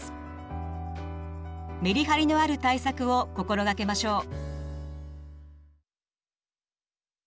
メリハリのある対策を心がけましょう。